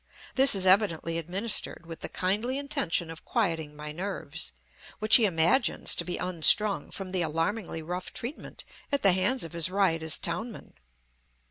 This is evidently administered with the kindly intention of quieting my nerves, which he imagines to be unstrung from the alarmingly rough treatment at the hands of his riotous townmen.